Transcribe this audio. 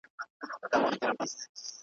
د دوی په نظر د پلار مخ به ورته خالي سي.